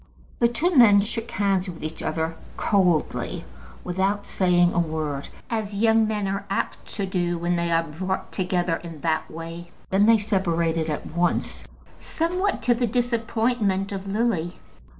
The two men shook hands with each other, coldly, without saying a word, as young men are apt to do when they are brought together in that way. Then they separated at once, somewhat to the disappointment of Lily.